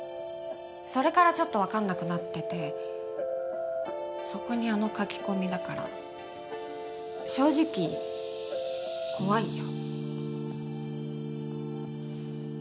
それからちょっとわかんなくなっててそこにあの書き込みだから正直怖いよ。